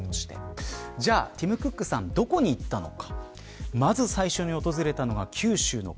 じゃあ、ティム・クックさんどこに行ったのか。